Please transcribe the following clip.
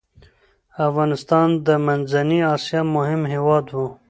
افغانستان د منځنی اسیا مهم هیواد و.